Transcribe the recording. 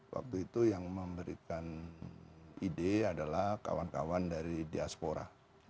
waktu itu yang memberikan ide adalah kawan kawan dari diaspora